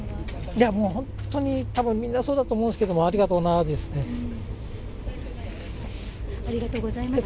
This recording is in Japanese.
いやもう本当にたぶんみんなそうだと思うんですけれども、あありがとうございました。